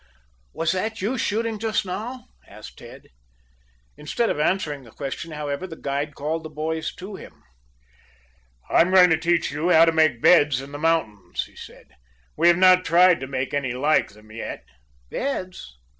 "Was that you shooting just now?" asked Tad. Instead of answering the question, however, the guide called the boys to him. "I'm going to teach you how to make beds in the mountains," he said. "We have not tried to make any like them yet " "Beds?